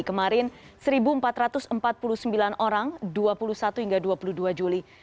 kemarin satu empat ratus empat puluh sembilan orang dua puluh satu hingga dua puluh dua juli